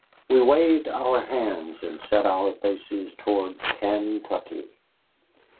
We waved our hands, and set our faces towards Kaintuckee.